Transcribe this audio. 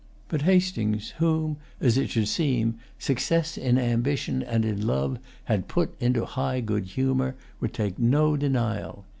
But Hastings, whom, as it should seem, success in ambition and in love had put into high good humor, would take no denial.